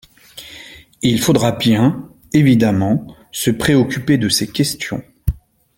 Il faudra bien, évidemment, se préoccuper de ces questions.